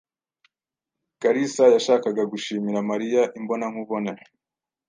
Kalisa yashakaga gushimira Mariya imbonankubone.